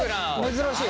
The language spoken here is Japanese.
珍しい。